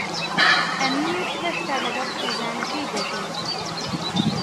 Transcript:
ئەمیر هێشتا لەگەڵ خێزانەکەی دەژی.